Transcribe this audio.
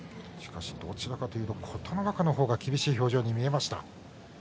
どちらかといえば琴ノ若の方が厳しい表情に見えました。